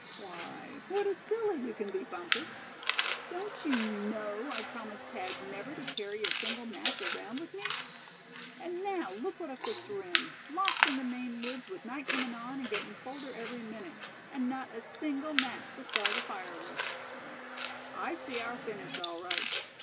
"Why, what a silly you can be, Bumpus; don't you know I promised Thad never to carry a single match around with me? And now, look what a fix we're in, lost in the Maine woods, with night coming on, and gettin' colder every minute; and not a single match to start a fire with. I see our finish all right.